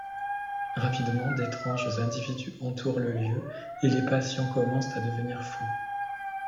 Rapidement d'étranges individus entourent le lieu et les patients commencent à devenir fou.